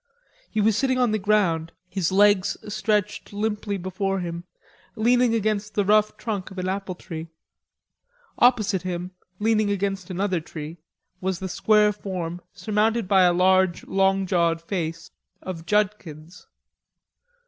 He was sitting on the ground, his legs stretched limply before him, leaning against the rough trunk of an apple tree. Opposite him, leaning against another tree, was the square form, surmounted by a large long jawed face, of Judkins.